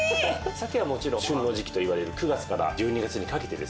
鮭はもちろん旬の時季といわれる９月から１２月にかけてですね